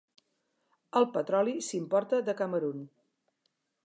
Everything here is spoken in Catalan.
El petroli s'importa de Camerun.